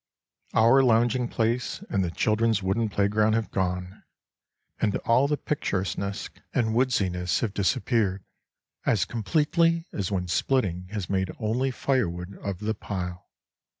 Our lounging place and the children's wooden playground have gone, and all the picturesqueness and woodsiness have disappeared as completely as when splitting has made only firewood of the pile.